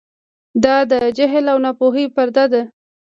دا د جهل او ناپوهۍ پرده ده.